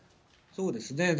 そうですね。